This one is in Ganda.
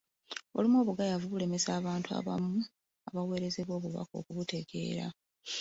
Olumu bugayaavu bulemesa bantu abaweerezebwa obubaka okubutegeera.